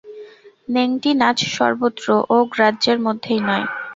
নেংটি নাচ সর্বত্র, ও গ্রাহ্যের মধ্যেই নয়।